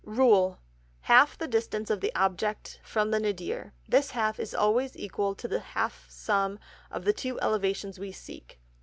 RULE. Halve the Distance of the Object from the Nadir; this half is always equal to the half Sum of the two Elevations we seek.